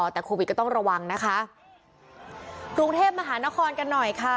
แต่โควิดก็ต้องระวังนะคะกรุงเทพมหานครกันหน่อยค่ะ